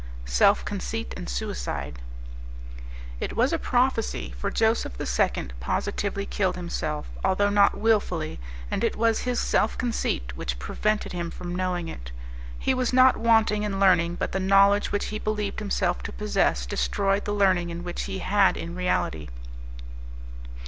"Self conceit and suicide." It was a prophecy, for Joseph II. positively killed himself, although not wilfully, and it was his self conceit which prevented him from knowing it. He was not wanting in learning, but the knowledge which he believed himself to possess destroyed the learning which he had in reality.